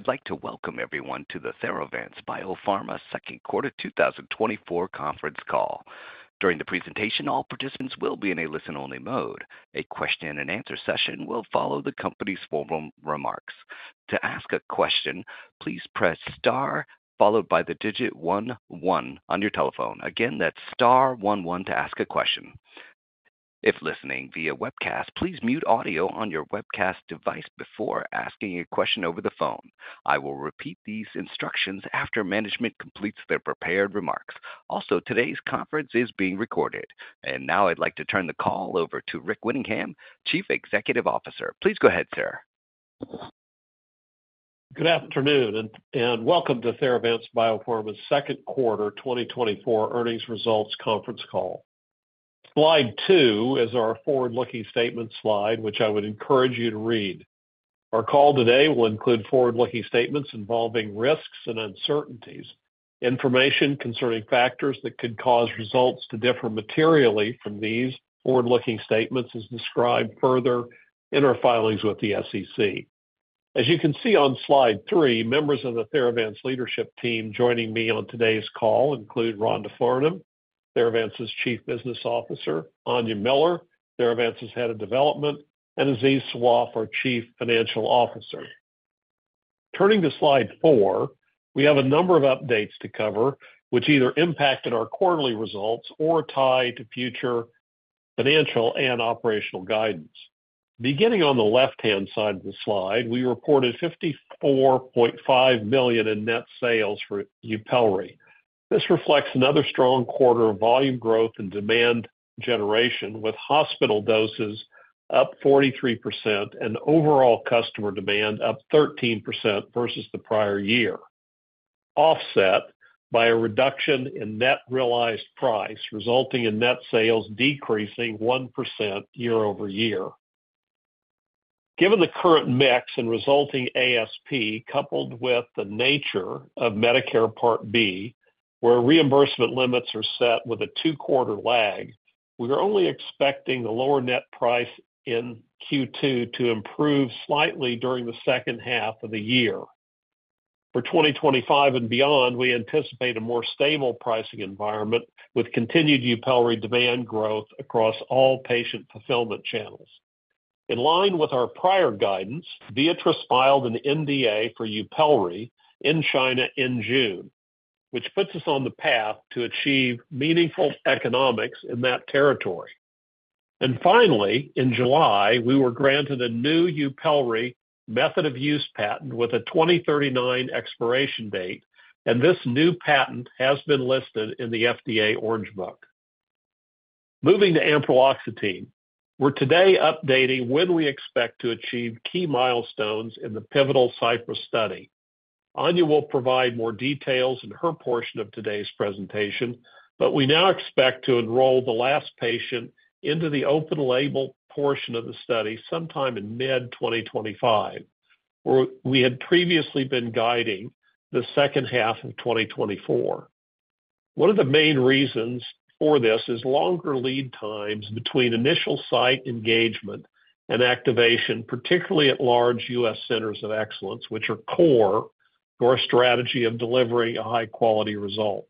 I'd like to welcome everyone to the Theravance Biopharma second quarter 2024 conference call. During the presentation, all participants will be in a listen-only mode. A question-and-answer session will follow the company's formal remarks. To ask a question, please press star followed by the digit one one on your telephone. Again, that's star one one to ask a question. If listening via webcast, please mute audio on your webcast device before asking a question over the phone. I will repeat these instructions after management completes their prepared remarks. Also, today's conference is being recorded. Now I'd like to turn the call over to Rick Winningham, Chief Executive Officer. Please go ahead, sir. Good afternoon and welcome to Theravance Biopharma's Second Quarter 2024 earnings results conference call. Slide two is our forward-looking statement slide, which I would encourage you to read. Our call today will include forward-looking statements involving risks and uncertainties, information concerning factors that could cause results to differ materially from these forward-looking statements as described further in our filings with the SEC. As you can see on slide three, members of the Theravance leadership team joining me on today's call include Rhonda Farnum, Theravance's Chief Business Officer, Aine Miller, Theravance's Head of Development, and Aziz Sawaf, our Chief Financial Officer. Turning to slide four, we have a number of updates to cover, which either impacted our quarterly results or tie to future financial and operational guidance. Beginning on the left-hand side of the slide, we reported $54.5 million in net sales for YUPELRI. This reflects another strong quarter of volume growth and demand generation, with hospital doses up 43% and overall customer demand up 13% versus the prior year, offset by a reduction in net realized price, resulting in net sales decreasing 1% year-over-year. Given the current mix and resulting ASP, coupled with the nature of Medicare Part B, where reimbursement limits are set with a two-quarter lag, we are only expecting a lower net price in Q2 to improve slightly during the second half of the year. For 2025 and beyond, we anticipate a more stable pricing environment with continued YUPELRI demand growth across all patient fulfillment channels. In line with our prior guidance, Viatris filed an NDA for YUPELRI in China in June, which puts us on the path to achieve meaningful economics in that territory. And finally, in July, we were granted a new YUPELRI method of use patent with a 2039 expiration date, and this new patent has been listed in the FDA Orange Book. Moving to ampreloxetine, we're today updating when we expect to achieve key milestones in the pivotal CYPRESS study. Aine will provide more details in her portion of today's presentation, but we now expect to enroll the last patient into the open label portion of the study sometime in mid-2025, where we had previously been guiding the second half of 2024. One of the main reasons for this is longer lead times between initial site engagement and activation, particularly at large U.S. centers of excellence, which are core to our strategy of delivering a high-quality result.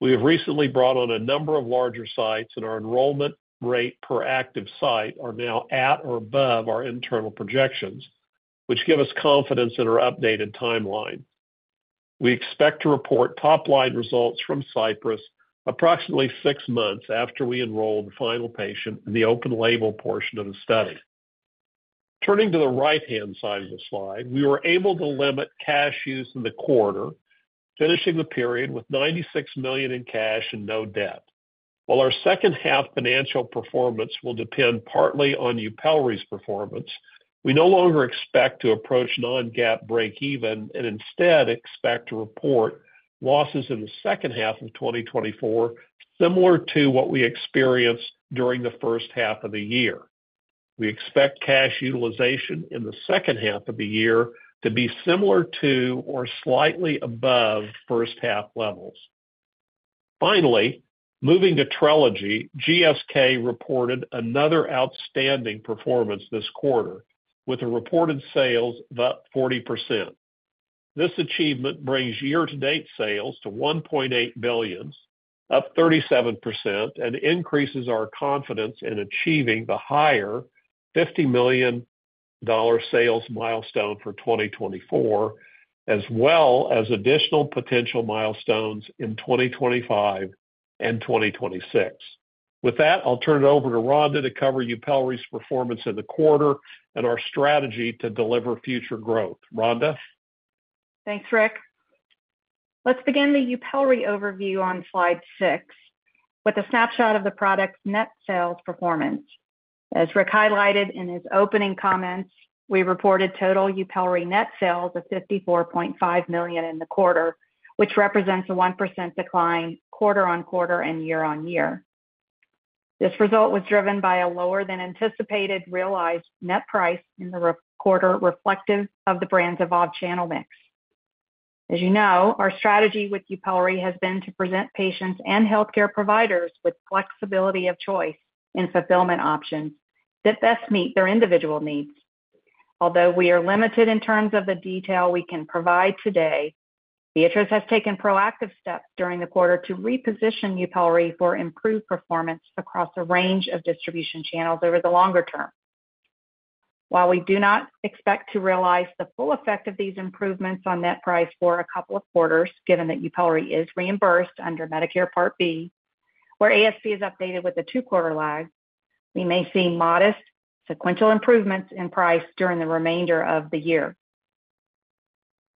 We have recently brought on a number of larger sites, and our enrollment rate per active site is now at or above our internal projections, which give us confidence in our updated timeline. We expect to report top-line results from CYPRESS approximately six months after we enroll the final patient in the open label portion of the study. Turning to the right-hand side of the slide, we were able to limit cash use in the quarter, finishing the period with $96 million in cash and no debt. While our second-half financial performance will depend partly on YUPELRI's performance, we no longer expect to approach non-GAAP breakeven and instead expect to report losses in the second half of 2024 similar to what we experienced during the first half of the year. We expect cash utilization in the second half of the year to be similar to or slightly above first-half levels. Finally, moving to Trelegy, GSK reported another outstanding performance this quarter with reported sales up 40%. This achievement brings year-to-date sales to $1.8 billion, up 37%, and increases our confidence in achieving the higher $50 million sales milestone for 2024, as well as additional potential milestones in 2025 and 2026. With that, I'll turn it over to Rhonda to cover YUPELRI's performance in the quarter and our strategy to deliver future growth. Rhonda? Thanks, Rick. Let's begin the YUPELRI overview on slide six with a snapshot of the product's net sales performance. As Rick highlighted in his opening comments, we reported total YUPELRI net sales of $54.5 million in the quarter, which represents a 1% decline quarter-over-quarter and year-over-year. This result was driven by a lower-than-anticipated realized net price in the quarter reflective of the brand's evolved channel mix. As you know, our strategy with YUPELRI has been to present patients and healthcare providers with flexibility of choice in fulfillment options that best meet their individual needs. Although we are limited in terms of the detail we can provide today, Viatris has taken proactive steps during the quarter to reposition YUPELRI for improved performance across a range of distribution channels over the longer term. While we do not expect to realize the full effect of these improvements on net price for a couple of quarters, given that YUPELRI is reimbursed under Medicare Part B, where ASP is updated with a two-quarter lag, we may see modest sequential improvements in price during the remainder of the year.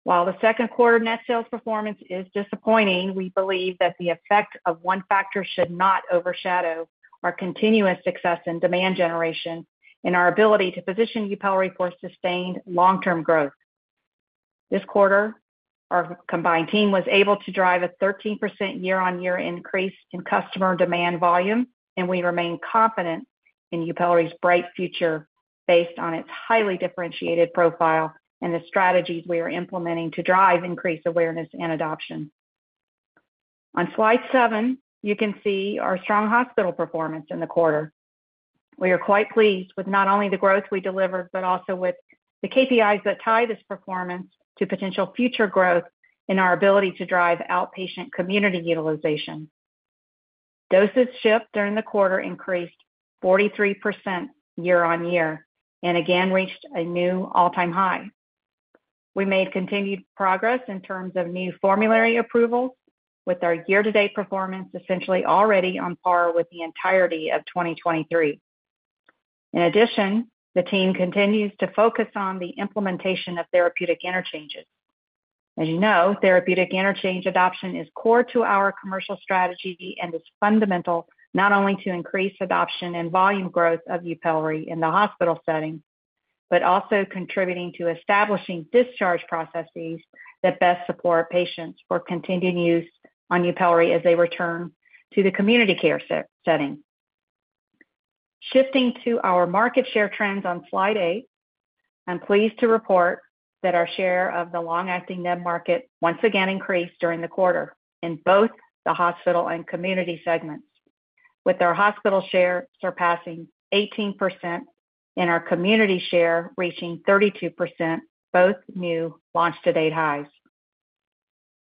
While the second quarter net sales performance is disappointing, we believe that the effect of one factor should not overshadow our continuous success in demand generation and our ability to position YUPELRI for sustained long-term growth. This quarter, our combined team was able to drive a 13% year-on-year increase in customer demand volume, and we remain confident in YUPELRI's bright future based on its highly differentiated profile and the strategies we are implementing to drive increased awareness and adoption. On slide seven, you can see our strong hospital performance in the quarter. We are quite pleased with not only the growth we delivered, but also with the KPIs that tie this performance to potential future growth in our ability to drive outpatient community utilization. Doses shipped during the quarter increased 43% year-on-year and again reached a new all-time high. We made continued progress in terms of new formulary approvals, with our year-to-date performance essentially already on par with the entirety of 2023. In addition, the team continues to focus on the implementation of therapeutic interchanges. As you know, therapeutic interchange adoption is core to our commercial strategy and is fundamental not only to increase adoption and volume growth of YUPELRI in the hospital setting, but also contributing to establishing discharge processes that best support patients for continued use on YUPELRI as they return to the community care setting. Shifting to our market share trends on slide eight, I'm pleased to report that our share of the long-acting NEB market once again increased during the quarter in both the hospital and community segments, with our hospital share surpassing 18% and our community share reaching 32%, both new launch-to-date highs.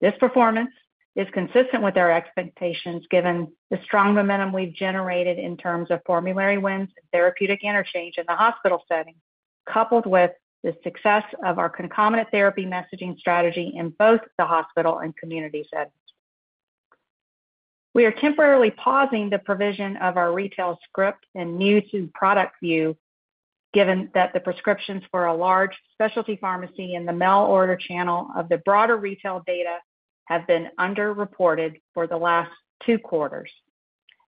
This performance is consistent with our expectations given the strong momentum we've generated in terms of formulary wins and therapeutic interchange in the hospital setting, coupled with the success of our concomitant therapy messaging strategy in both the hospital and community settings. We are temporarily pausing the provision of our retail script and new-to-product view, given that the prescriptions for a large specialty pharmacy in the mail order channel of the broader retail data have been underreported for the last two quarters,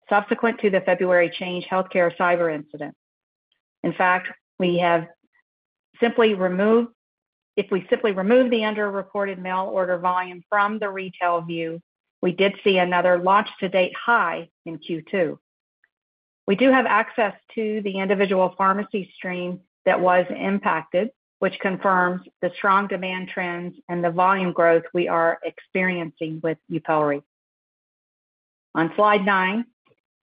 subsequent to the February Change Healthcare cyber incident. In fact, if we simply remove the underreported mail order volume from the retail view, we did see another launch-to-date high in Q2. We do have access to the individual pharmacy stream that was impacted, which confirms the strong demand trends and the volume growth we are experiencing with YUPELRI. On slide nine,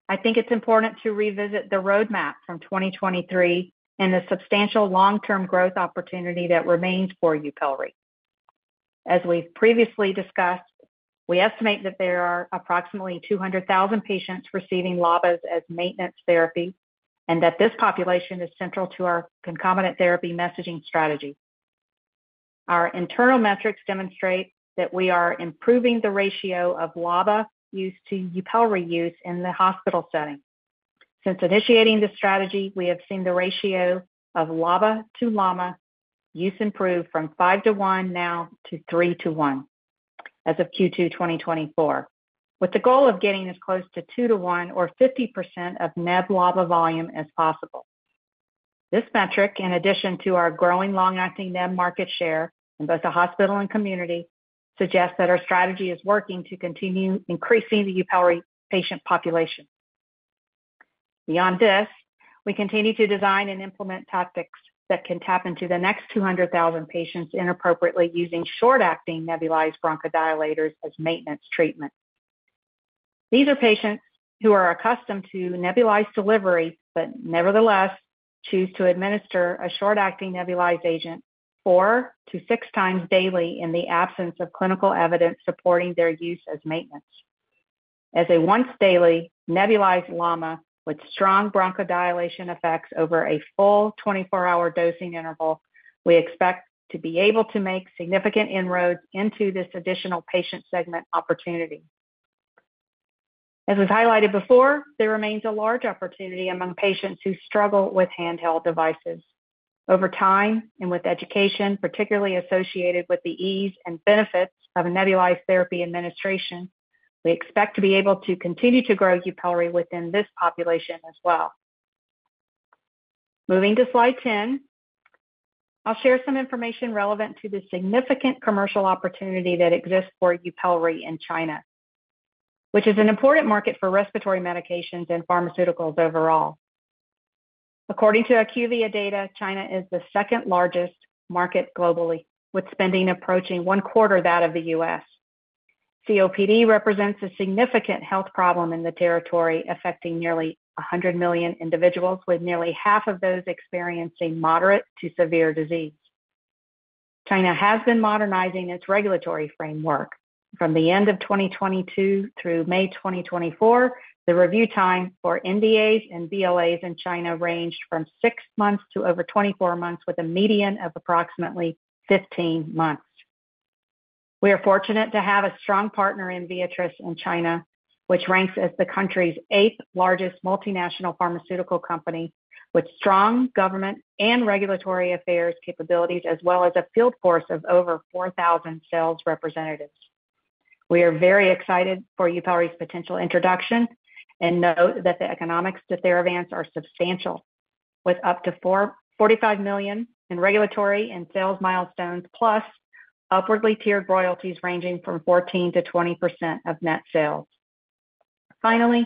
I think it's important to revisit the roadmap from 2023 and the substantial long-term growth opportunity that remains for YUPELRI. As we've previously discussed, we estimate that there are approximately 200,000 patients receiving LABAs as maintenance therapy and that this population is central to our concomitant therapy messaging strategy. Our internal metrics demonstrate that we are improving the ratio of LABA use to YUPELRI use in the hospital setting. Since initiating the strategy, we have seen the ratio of LABA to LAMA use improve from 5:1 now to 3:1 as of Q2 2024, with the goal of getting as close to 2:1 or 50% of NEB LABA volume as possible. This metric, in addition to our growing long-acting NEB market share in both the hospital and community, suggests that our strategy is working to continue increasing the YUPELRI patient population. Beyond this, we continue to design and implement tactics that can tap into the next 200,000 patients inappropriately using short-acting nebulized bronchodilators as maintenance treatment. These are patients who are accustomed to nebulized delivery, but nevertheless choose to administer a short-acting nebulized agent four to six times daily in the absence of clinical evidence supporting their use as maintenance. As a once-daily nebulized LAMA with strong bronchodilation effects over a full 24-hour dosing interval, we expect to be able to make significant inroads into this additional patient segment opportunity. As we've highlighted before, there remains a large opportunity among patients who struggle with handheld devices. Over time and with education, particularly associated with the ease and benefits of nebulized therapy administration, we expect to be able to continue to grow YUPELRI within this population as well. Moving to slide 10, I'll share some information relevant to the significant commercial opportunity that exists for YUPELRI in China, which is an important market for respiratory medications and pharmaceuticals overall. According to IQVIA data, China is the second largest market globally, with spending approaching one quarter that of the U.S. COPD represents a significant health problem in the territory, affecting nearly 100 million individuals, with nearly half of those experiencing moderate to severe disease. China has been modernizing its regulatory framework. From the end of 2022 through May 2024, the review time for NDAs and BLAs in China ranged from 6 months to over 24 months, with a median of approximately 15 months. We are fortunate to have a strong partner in Viatris in China, which ranks as the country's eighth-largest multinational pharmaceutical company, with strong government and regulatory affairs capabilities, as well as a field force of over 4,000 sales representatives. We are very excited for YUPELRI's potential introduction and note that the economics to Theravance are substantial, with up to $45 million in regulatory and sales milestones, plus upwardly tiered royalties ranging from 14%-20% of net sales. Finally,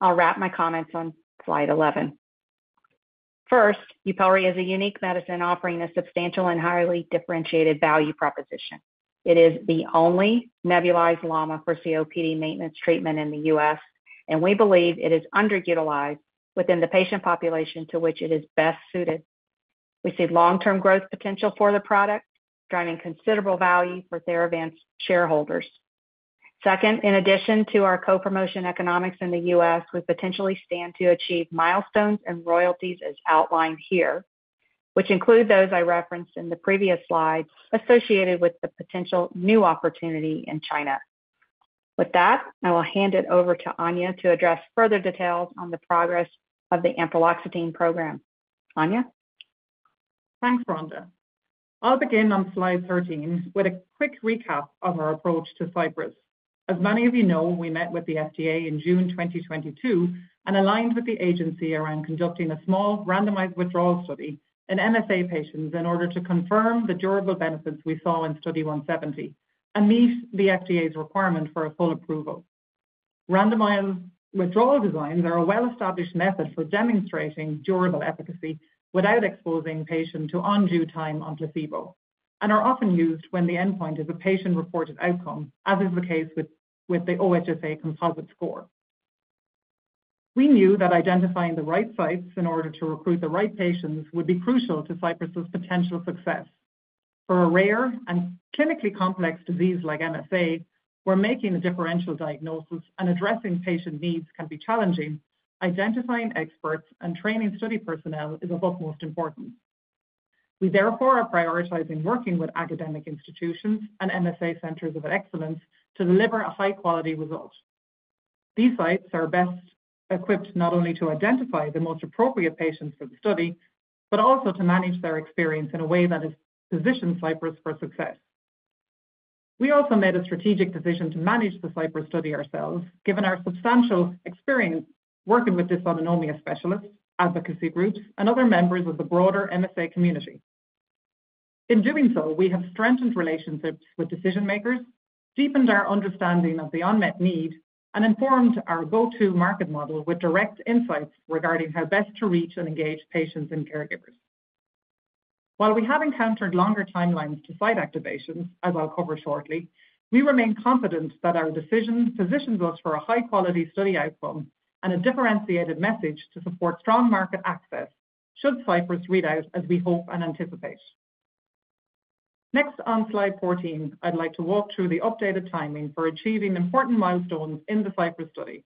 I'll wrap my comments on slide 11. First, YUPELRI is a unique medicine offering a substantial and highly differentiated value proposition. It is the only nebulized LAMA for COPD maintenance treatment in the U.S., and we believe it is underutilized within the patient population to which it is best suited. We see long-term growth potential for the product, driving considerable value for Theravance shareholders. Second, in addition to our co-promotion economics in the U.S., we potentially stand to achieve milestones and royalties as outlined here, which include those I referenced in the previous slide associated with the potential new opportunity in China. With that, I will hand it over to Aine to address further details on the progress of the ampreloxetine program. Aine? Thanks, Rhonda. I'll begin on slide 13 with a quick recap of our approach to CYPRESS. As many of you know, we met with the FDA in June 2022 and aligned with the agency around conducting a small randomized withdrawal study in MSA patients in order to confirm the durable benefits we saw in study 170 and meet the FDA's requirement for a full approval. Randomized withdrawal designs are a well-established method for demonstrating durable efficacy without exposing patients to undue time on placebo and are often used when the endpoint is a patient-reported outcome, as is the case with the OHSA composite score. We knew that identifying the right sites in order to recruit the right patients would be crucial to CYPRESS' potential success. For a rare and clinically complex disease like MSA, where making a differential diagnosis and addressing patient needs can be challenging, identifying experts and training study personnel is of utmost importance. We therefore are prioritizing working with academic institutions and MSA centers of excellence to deliver a high-quality result. These sites are best equipped not only to identify the most appropriate patients for the study, but also to manage their experience in a way that has positioned CYPRESS for success. We also made a strategic decision to manage the CYPRESS study ourselves, given our substantial experience working with dysautonomia specialists, advocacy groups, and other members of the broader MSA community. In doing so, we have strengthened relationships with decision-makers, deepened our understanding of the unmet need, and informed our go-to market model with direct insights regarding how best to reach and engage patients and caregivers. While we have encountered longer timelines to site activations, as I'll cover shortly, we remain confident that our decision positions us for a high-quality study outcome and a differentiated message to support strong market access should CYPRESS read out as we hope and anticipate. Next, on slide 14, I'd like to walk through the updated timing for achieving important milestones in the CYPRESS study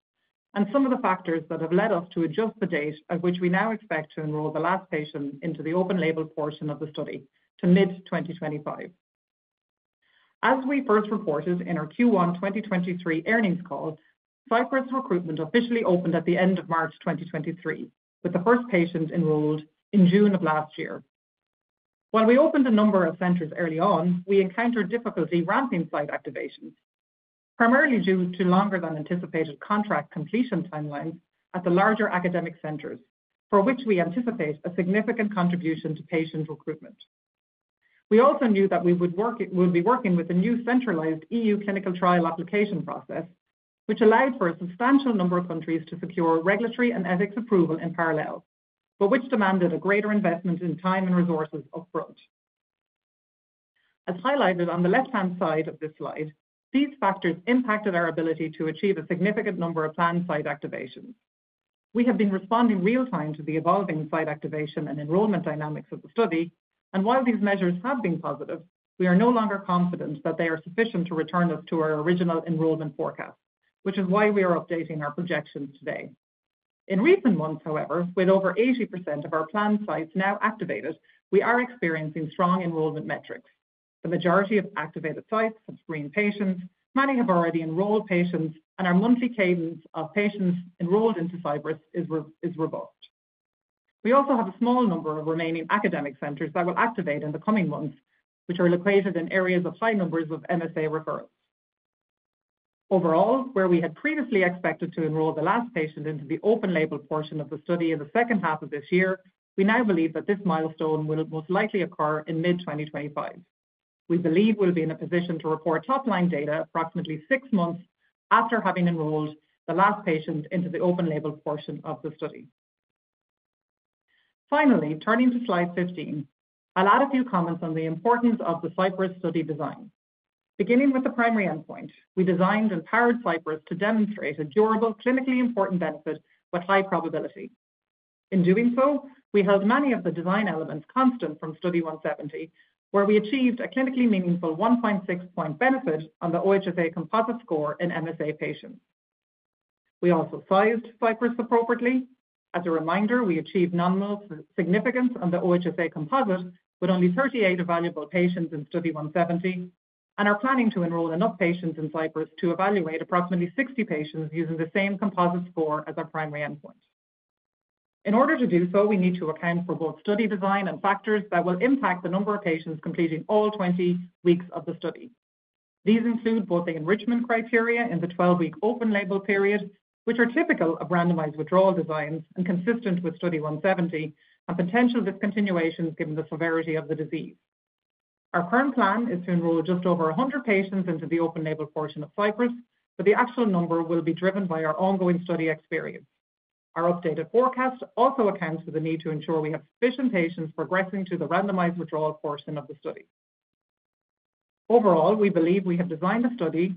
and some of the factors that have led us to adjust the date at which we now expect to enroll the last patient into the open-label portion of the study to mid-2025. As we first reported in our Q1 2023 earnings call, CYPRESS recruitment officially opened at the end of March 2023, with the first patient enrolled in June of last year. While we opened a number of centers early on, we encountered difficulty ramping site activations, primarily due to longer-than-anticipated contract completion timelines at the larger academic centers, for which we anticipate a significant contribution to patient recruitment. We also knew that we would be working with a new centralized EU clinical trial application process, which allowed for a substantial number of countries to secure regulatory and ethics approval in parallel, but which demanded a greater investment in time and resources upfront. As highlighted on the left-hand side of this slide, these factors impacted our ability to achieve a significant number of planned site activations. We have been responding real-time to the evolving site activation and enrollment dynamics of the study, and while these measures have been positive, we are no longer confident that they are sufficient to return us to our original enrollment forecast, which is why we are updating our projections today. In recent months, however, with over 80% of our planned sites now activated, we are experiencing strong enrollment metrics. The majority of activated sites have screened patients, many have already enrolled patients, and our monthly cadence of patients enrolled into CYPRESS is robust. We also have a small number of remaining academic centers that will activate in the coming months, which are located in areas of high numbers of MSA referrals. Overall, where we had previously expected to enroll the last patient into the open-label portion of the study in the second half of this year, we now believe that this milestone will most likely occur in mid-2025. We believe we'll be in a position to report top-line data approximately six months after having enrolled the last patient into the open-label portion of the study. Finally, turning to slide 15, I'll add a few comments on the importance of the CYPRESS study design. Beginning with the primary endpoint, we designed and powered CYPRESS to demonstrate a durable, clinically important benefit with high probability. In doing so, we held many of the design elements constant from study 170, where we achieved a clinically meaningful 1.6-point benefit on the OHSA composite score in MSA patients. We also sized CYPRESS appropriately. As a reminder, we achieved nominal significance on the OHSA composite with only 38 available patients in study 170 and are planning to enroll enough patients in CYPRESS to evaluate approximately 60 patients using the same composite score as our primary endpoint. In order to do so, we need to account for both study design and factors that will impact the number of patients completing all 20 weeks of the study. These include both the enrichment criteria in the 12-week open-label period, which are typical of randomized withdrawal designs and consistent with study 170, and potential discontinuations given the severity of the disease. Our current plan is to enroll just over 100 patients into the open-label portion of CYPRESS, but the actual number will be driven by our ongoing study experience. Our updated forecast also accounts for the need to ensure we have sufficient patients progressing to the randomized withdrawal portion of the study. Overall, we believe we have designed a study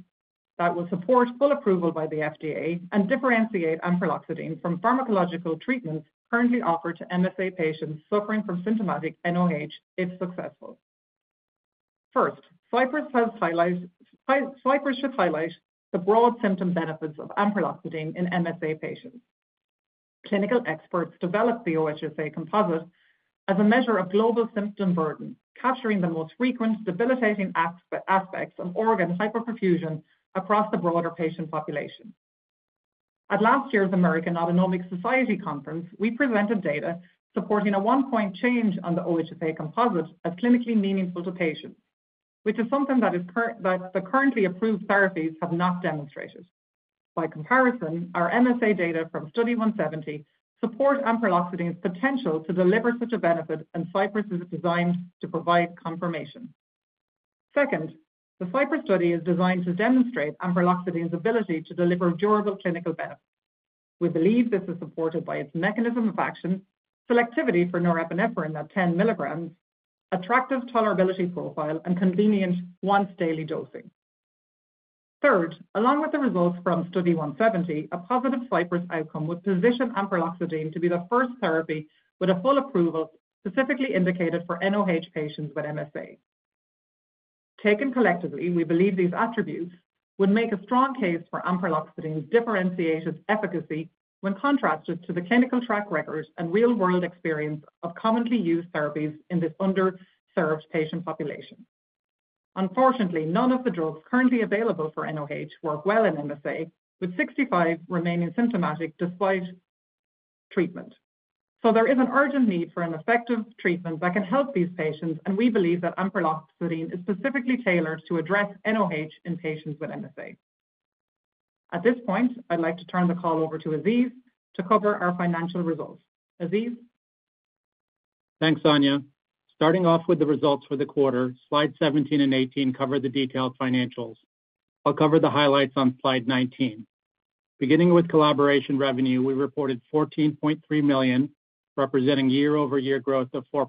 that will support full approval by the FDA and differentiate ampreloxetine from pharmacological treatments currently offered to MSA patients suffering from symptomatic NOH if successful. First, CYPRESS should highlight the broad symptom benefits of ampreloxetine in MSA patients. Clinical experts developed the OHSA composite as a measure of global symptom burden, capturing the most frequent debilitating aspects of organ hypoperfusion across the broader patient population. At last year's American Autonomic Society Conference, we presented data supporting a one-point change on the OHSA composite as clinically meaningful to patients, which is something that the currently approved therapies have not demonstrated. By comparison, our MSA data from study 170 support ampreloxetine's potential to deliver such a benefit and CYPRESS is designed to provide confirmation. Second, the CYPRESS study is designed to demonstrate ampreloxetine's ability to deliver durable clinical benefits. We believe this is supported by its mechanism of action, selectivity for norepinephrine at 10 milligrams, attractive tolerability profile, and convenient once-daily dosing. Third, along with the results from study 170, a positive CYPRESS outcome would position ampreloxetine to be the first therapy with a full approval specifically indicated for NOH patients with MSA. Taken collectively, we believe these attributes would make a strong case for ampreloxetine's differentiated efficacy when contrasted to the clinical track record and real-world experience of commonly used therapies in this underserved patient population. Unfortunately, none of the drugs currently available for NOH work well in MSA, with 65 remaining symptomatic despite treatment. There is an urgent need for an effective treatment that can help these patients, and we believe that ampreloxetine is specifically tailored to address NOH in patients with MSA. At this point, I'd like to turn the call over to Aziz to cover our financial results. Aziz? Thanks, Aine. Starting off with the results for the quarter, slides 17 and 18 cover the detailed financials. I'll cover the highlights on slide 19. Beginning with collaboration revenue, we reported $14.3 million, representing year-over-year growth of 4%.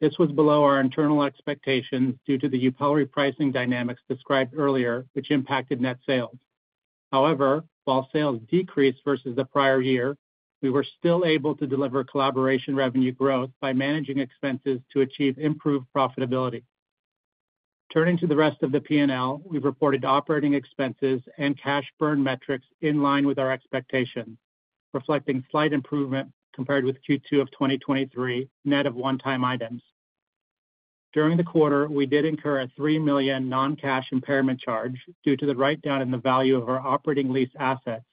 This was below our internal expectations due to the YUPELRI pricing dynamics described earlier, which impacted net sales. However, while sales decreased versus the prior year, we were still able to deliver collaboration revenue growth by managing expenses to achieve improved profitability. Turning to the rest of the P&L, we've reported operating expenses and cash burn metrics in line with our expectations, reflecting slight improvement compared with Q2 of 2023, net of one-time items. During the quarter, we did incur a $3 million non-cash impairment charge due to the write-down in the value of our operating lease assets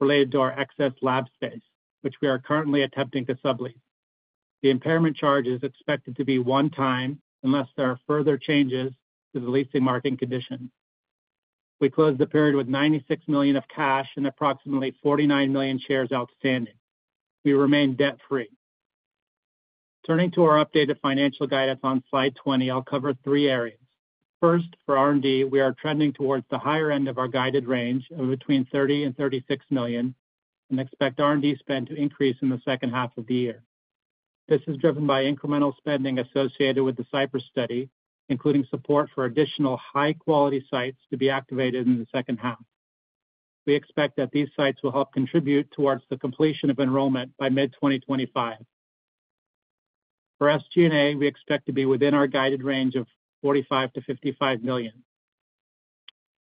related to our excess lab space, which we are currently attempting to sublease. The impairment charge is expected to be one-time unless there are further changes to the leasing marketing conditions. We closed the period with $96 million of cash and approximately $49 million shares outstanding. We remain debt-free. Turning to our updated financial guidance on slide 20, I'll cover three areas. First, for R&D, we are trending towards the higher end of our guided range of between $30 million and $36 million and expect R&D spend to increase in the second half of the year. This is driven by incremental spending associated with the CYPRESS study, including support for additional high-quality sites to be activated in the second half. We expect that these sites will help contribute towards the completion of enrollment by mid-2025. For SG&A, we expect to be within our guided range of $45 million-$55 million.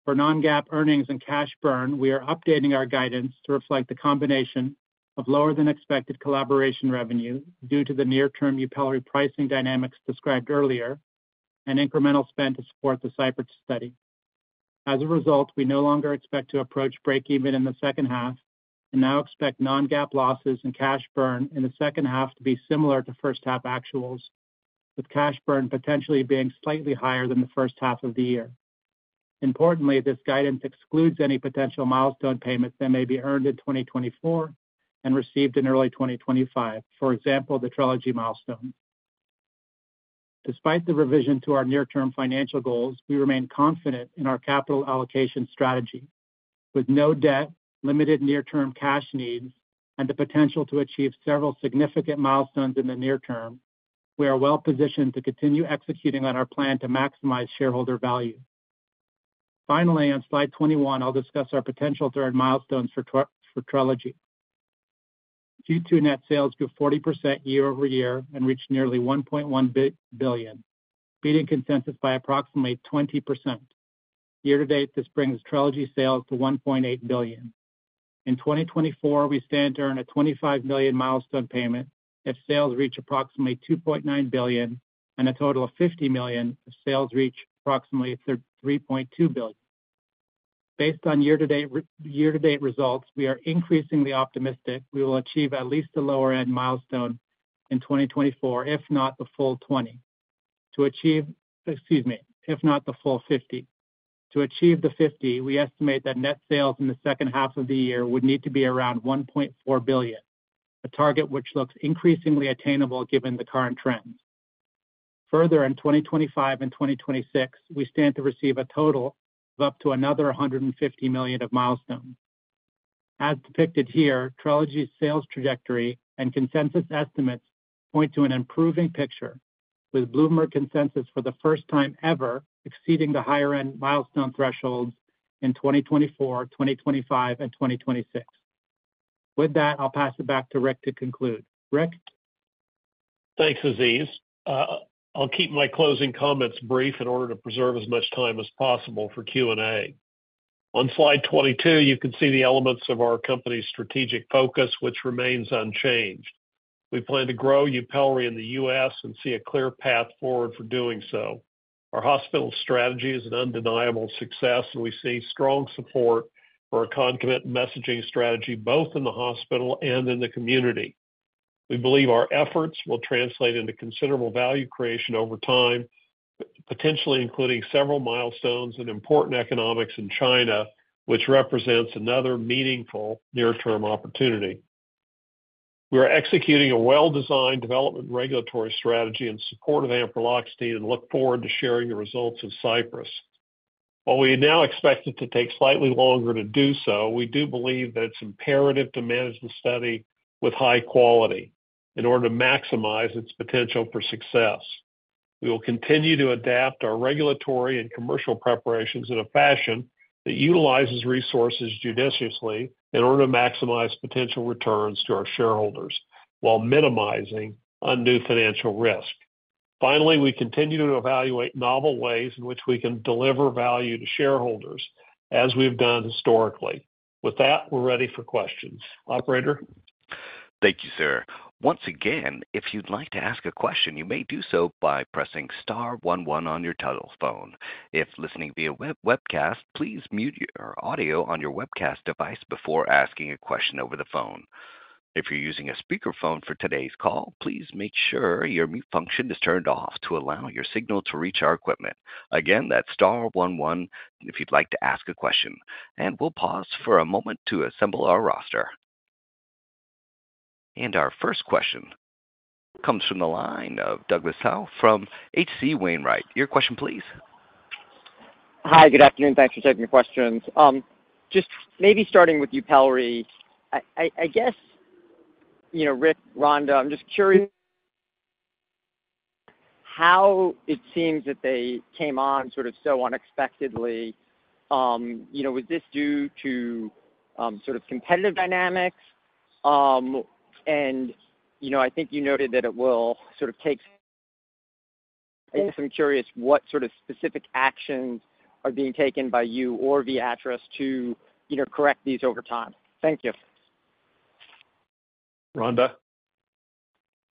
For non-GAAP earnings and cash burn, we are updating our guidance to reflect the combination of lower-than-expected collaboration revenue due to the near-term YUPELRI pricing dynamics described earlier and incremental spend to support the CYPRESS study. As a result, we no longer expect to approach break-even in the second half and now expect non-GAAP losses and cash burn in the second half to be similar to first-half actuals, with cash burn potentially being slightly higher than the first half of the year. Importantly, this guidance excludes any potential milestone payments that may be earned in 2024 and received in early 2025, for example, the Trelegy milestones. Despite the revision to our near-term financial goals, we remain confident in our capital allocation strategy. With no debt, limited near-term cash needs, and the potential to achieve several significant milestones in the near term, we are well-positioned to continue executing on our plan to maximize shareholder value. Finally, on slide 21, I'll discuss our potential third milestones for Trelegy. Q2 net sales grew 40% year-over-year and reached nearly $1.1 billion, beating consensus by approximately 20%. Year-to-date, this brings Trelegy sales to $1.8 billion. In 2024, we stand to earn a $25 million milestone payment if sales reach approximately $2.9 billion and a total of $50 million if sales reach approximately $3.2 billion. Based on year-to-date results, we are increasingly optimistic we will achieve at least the lower-end milestone in 2024, if not the full 20. Excuse me, if not the full 50. To achieve the $50 million, we estimate that net sales in the second half of the year would need to be around $1.4 billion, a target which looks increasingly attainable given the current trends. Further, in 2025 and 2026, we stand to receive a total of up to another $150 million of milestones. As depicted here, Trelegy's sales trajectory and consensus estimates point to an improving picture, with Bloomberg Consensus for the first time ever exceeding the higher-end milestone thresholds in 2024, 2025, and 2026. With that, I'll pass it back to Rick to conclude. Rick? Thanks, Aziz. I'll keep my closing comments brief in order to preserve as much time as possible for Q&A. On slide 22, you can see the elements of our company's strategic focus, which remains unchanged. We plan to grow YUPELRI in the U.S. and see a clear path forward for doing so. Our hospital strategy is an undeniable success, and we see strong support for our concomitant messaging strategy both in the hospital and in the community. We believe our efforts will translate into considerable value creation over time, potentially including several milestones and important economics in China, which represents another meaningful near-term opportunity. We are executing a well-designed development regulatory strategy in support of ampreloxetine and look forward to sharing the results of CYPRESS. While we now expect it to take slightly longer to do so, we do believe that it's imperative to manage the study with high quality in order to maximize its potential for success. We will continue to adapt our regulatory and commercial preparations in a fashion that utilizes resources judiciously in order to maximize potential returns to our shareholders while minimizing undue financial risk. Finally, we continue to evaluate novel ways in which we can deliver value to shareholders as we've done historically. With that, we're ready for questions. Operator? Thank you, sir. Once again, if you'd like to ask a question, you may do so by pressing star one one on your telephone. If listening via webcast, please mute your audio on your webcast device before asking a question over the phone. If you're using a speakerphone for today's call, please make sure your mute function is turned off to allow your signal to reach our equipment. Again, that's star one one if you'd like to ask a question. We'll pause for a moment to assemble our roster. Our first question comes from the line of Douglas Tsao from H.C. Wainwright. Your question, please. Hi, good afternoon. Thanks for taking your questions. Just maybe starting with YUPELRI, I guess, you know, Rick, Rhonda, I'm just curious how it seems that they came on sort of so unexpectedly. You know, was this due to sort of competitive dynamics? And you know, I think you noted that it will sort of take. I guess I'm curious what sort of specific actions are being taken by you or Viatris to, you know, correct these over time. Thank you. Rhonda?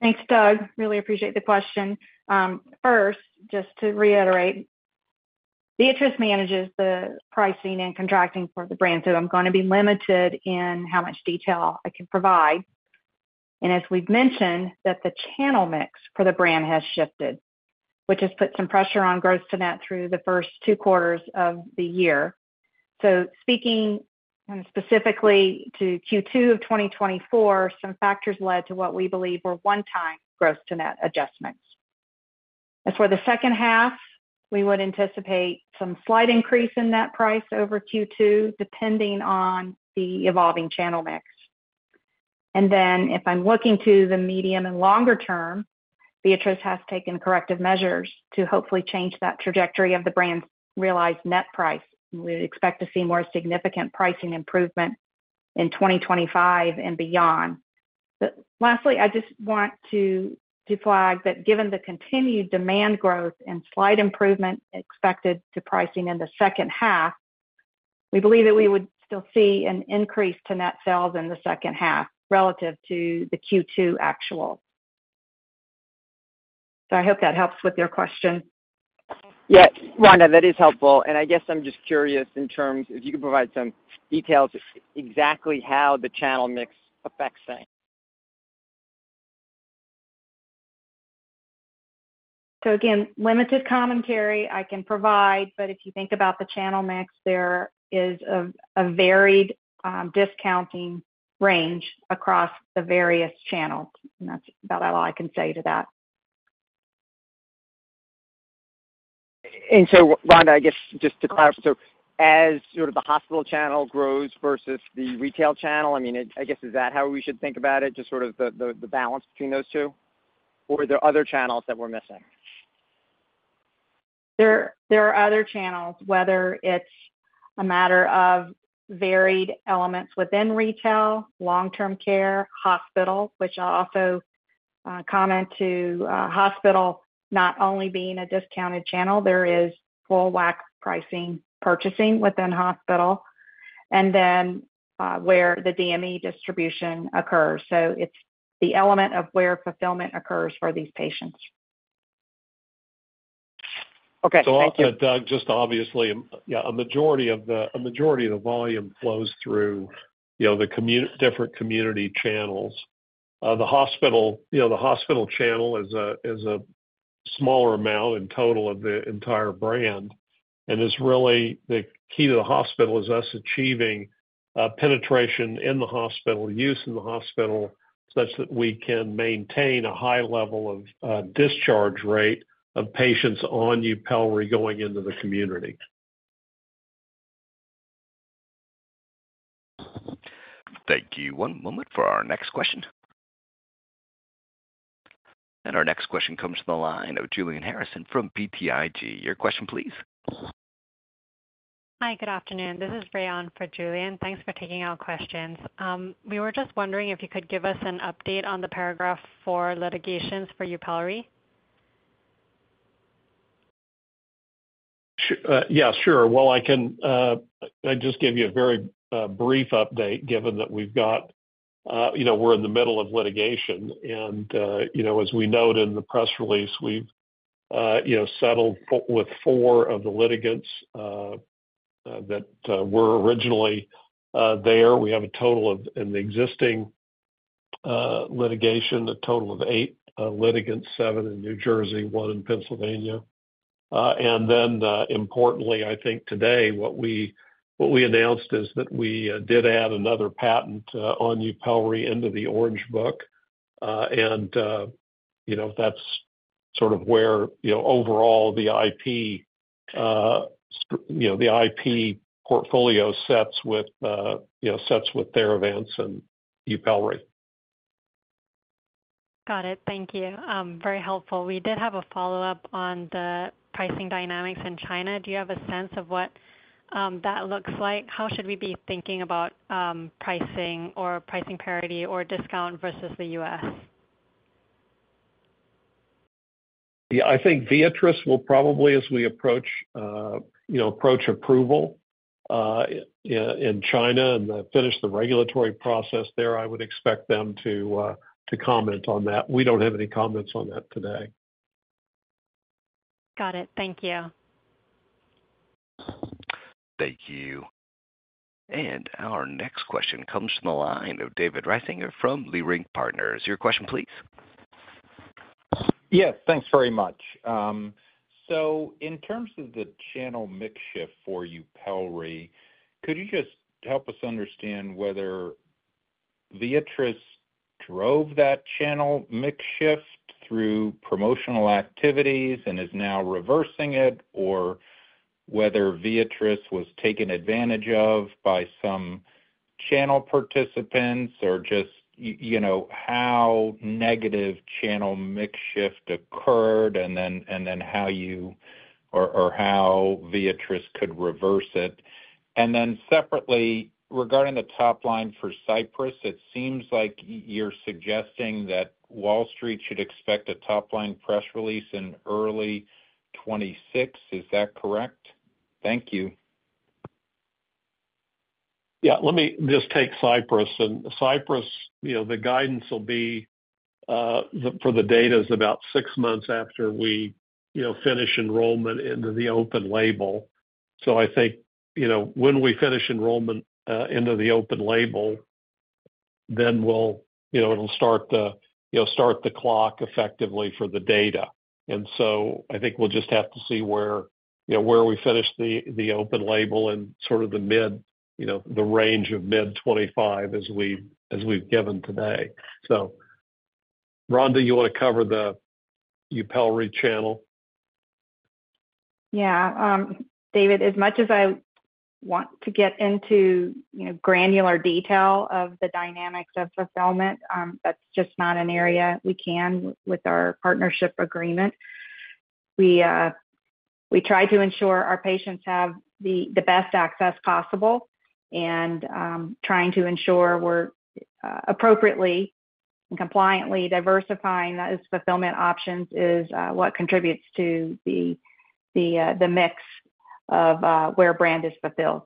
Thanks, Doug. Really appreciate the question. First, just to reiterate, Viatris manages the pricing and contracting for the brand, so I'm going to be limited in how much detail I can provide. And as we've mentioned, the channel mix for the brand has shifted, which has put some pressure on growth to net through the first two quarters of the year. So speaking specifically to Q2 of 2024, some factors led to what we believe were one-time growth to net adjustments. As for the second half, we would anticipate some slight increase in net price over Q2, depending on the evolving channel mix. And then if I'm looking to the medium and longer term, Viatris has taken corrective measures to hopefully change that trajectory of the brand's realized net price. We would expect to see more significant pricing improvement in 2025 and beyond. Lastly, I just want to flag that given the continued demand growth and slight improvement expected to pricing in the second half, we believe that we would still see an increase to net sales in the second half relative to the Q2 actual. So I hope that helps with your question. Yes, Rhonda, that is helpful. I guess I'm just curious in terms of if you could provide some details exactly how the channel mix affects things? Again, limited commentary I can provide, but if you think about the channel mix, there is a varied discounting range across the various channels. That's about all I can say to that. And so, Rhonda, I guess just to clarify, so as sort of the hospital channel grows versus the retail channel, I mean, I guess is that how we should think about it, just sort of the balance between those two? Or are there other channels that we're missing? There are other channels, whether it's a matter of varied elements within retail, long-term care, hospital, which I'll also comment to. Hospital not only being a discounted channel, there is full WAC pricing purchasing within hospital, and then where the DME distribution occurs. So it's the element of where fulfillment occurs for these patients. Okay, thank you. So also, Doug, just obviously, yeah, a majority of the volume flows through, you know, the different community channels. The hospital channel is a smaller amount in total of the entire brand. It's really the key to the hospital is us achieving penetration in the hospital, use in the hospital, such that we can maintain a high level of discharge rate of patients on YUPELRI going into the community. Thank you. One moment for our next question. Our next question comes from the line of Julian Harrison from BTIG. Your question, please. Hi, good afternoon. This is Rayon for Julian. Thanks for taking our questions. We were just wondering if you could give us an update on the patent litigations for YUPELRI. Yeah, sure. Well, I can just give you a very brief update given that we've got, you know, we're in the middle of litigation. And, you know, as we note in the press release, we've, you know, settled with four of the litigants that were originally there. We have a total of, in the existing litigation, a total of eight litigants, seven in New Jersey, one in Pennsylvania. And then, importantly, I think today what we announced is that we did add another patent on YUPELRI into the Orange Book. And, you know, that's sort of where, you know, overall the IP, you know, the IP portfolio sets with, you know, sets with Theravance and YUPELRI. Got it. Thank you. Very helpful. We did have a follow-up on the pricing dynamics in China. Do you have a sense of what that looks like? How should we be thinking about pricing or pricing parity or discount versus the U.S.? Yeah, I think Viatris will probably, as we approach, you know, approach approval in China and finish the regulatory process there, I would expect them to comment on that. We don't have any comments on that today. Got it. Thank you. Thank you. And our next question comes from the line of David Risinger from Leerink Partners. Your question, please. Yes, thanks very much. So in terms of the channel mix shift for YUPELRI, could you just help us understand whether Viatris drove that channel mix shift through promotional activities and is now reversing it, or whether Viatris was taken advantage of by some channel participants, or just, you know, how negative channel mix shift occurred, and then how you, or how Viatris could reverse it? And then separately, regarding the top line for CYPRESS, it seems like you're suggesting that Wall Street should expect a top line press release in early 2026. Is that correct? Thank you. Yeah, let me just take CYPRESS. And CYPRESS, you know, the guidance will be for the data is about six months after we, you know, finish enrollment into the open label. So I think, you know, when we finish enrollment into the open label, then we'll, you know, it'll start the, you know, start the clock effectively for the data. And so I think we'll just have to see where, you know, where we finish the open label and sort of the mid, you know, the range of mid-2025 as we've given today. So Rhonda, you want to cover the YUPELRI channel? Yeah. David, as much as I want to get into, you know, granular detail of the dynamics of fulfillment, that's just not an area we can with our partnership agreement. We try to ensure our patients have the best access possible and trying to ensure we're appropriately and compliantly diversifying those fulfillment options is what contributes to the mix of where brand is fulfilled.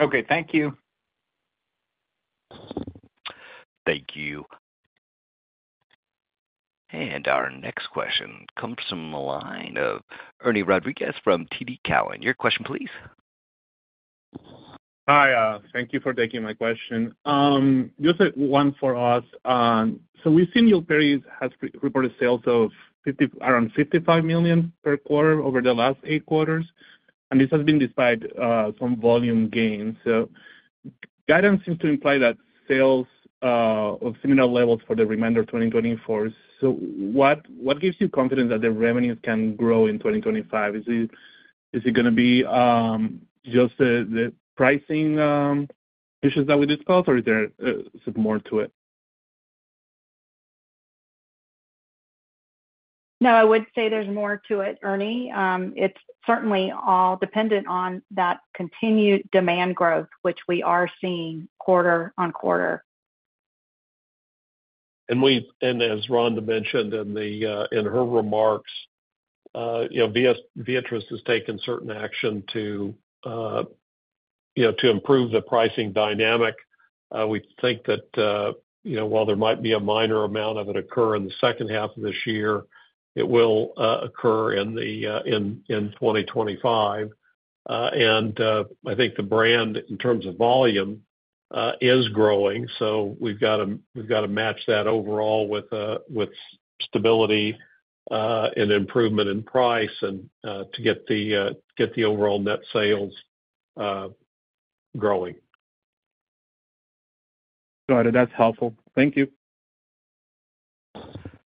Okay, thank you. Thank you. Our next question comes from the line of Ernie Rodriguez from TD Cowen. Your question, please. Hi, thank you for taking my question. Just one for us. So we've seen YUPELRI has reported sales of around $55 million per quarter over the last eight quarters. And this has been despite some volume gains. So guidance seems to imply that sales of similar levels for the remainder of 2024. So what gives you confidence that the revenues can grow in 2025? Is it going to be just the pricing issues that we discussed, or is there more to it? No, I would say there's more to it, Ernie. It's certainly all dependent on that continued demand growth, which we are seeing quarter on quarter. As Rhonda mentioned in her remarks, you know, Viatris has taken certain action to, you know, to improve the pricing dynamic. We think that, you know, while there might be a minor amount of it occur in the second half of this year, it will occur in 2025. I think the brand, in terms of volume, is growing. We've got to match that overall with stability and improvement in price and to get the overall net sales growing. Rhonda, that's helpful. Thank you.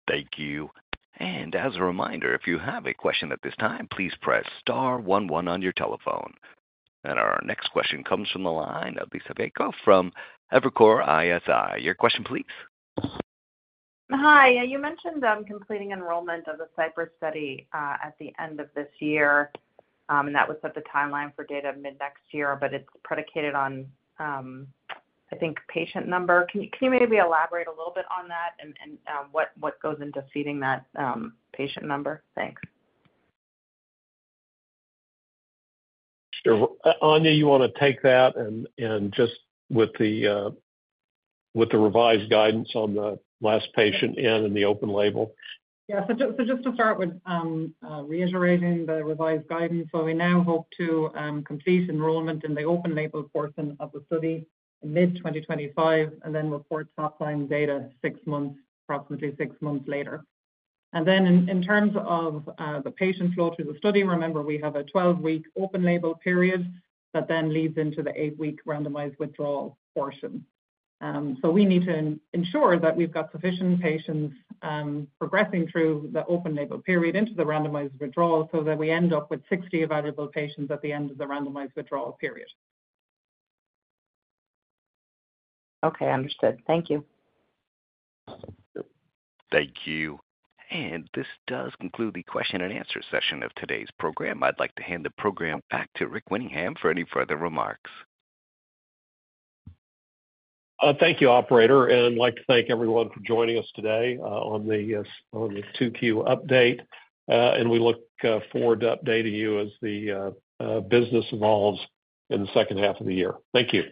Thank you. And as a reminder, if you have a question at this time, please press star one one on your telephone. And our next question comes from the line of Liisa Bayko from Evercore ISI. Your question, please. Hi. You mentioned completing enrollment of the CYPRESS study at the end of this year. That was at the timeline for data mid next year, but it's predicated on, I think, patient number. Can you maybe elaborate a little bit on that and what goes into feeding that patient number? Thanks. Sure. Aine, you want to take that and just with the revised guidance on the last patient and in the open label? Yeah. So just to start with reiterating the revised guidance, so we now hope to complete enrollment in the open label portion of the study in mid 2025 and then report top line data approximately 6 months later. Then in terms of the patient flow through the study, remember we have a 12-week open label period that then leads into the 8-week randomized withdrawal portion. So we need to ensure that we've got sufficient patients progressing through the open label period into the randomized withdrawal so that we end up with 60 available patients at the end of the randomized withdrawal period. Okay, understood. Thank you. Thank you. This does conclude the question and answer session of today's program. I'd like to hand the program back to Rick Winningham for any further remarks. Thank you, Operator. I'd like to thank everyone for joining us today on the 2Q update. We look forward to updating you as the business evolves in the second half of the year. Thank you.